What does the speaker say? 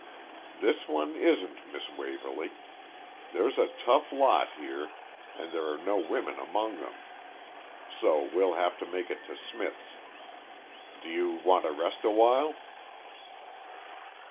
"This one isn't, Miss Waverly. There's a tough lot here, and there are no women among them. So we'll have to make it to Smith's. Do you want to rest a while?"